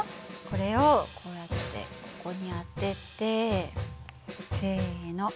これをこうやってここに当ててせの。